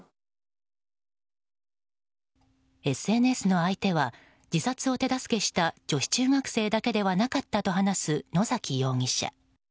ＳＮＳの相手は自殺を手助けした女子中学生だけではなかったと話す野崎容疑者。